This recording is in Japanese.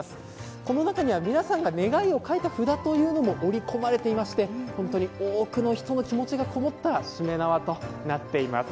この中には皆さんが願いを書いた札も織り込まれていまして多くの人の気持ちがこもったしめ縄となっています。